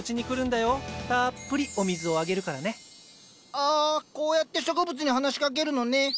ああこうやって植物に話しかけるのね。